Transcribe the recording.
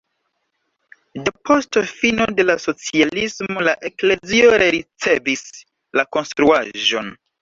Depost fino de la socialismo la eklezio rericevis la konstruaĵon.